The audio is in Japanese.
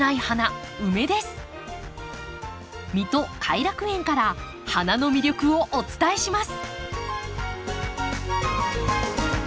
水戸偕楽園から花の魅力をお伝えします。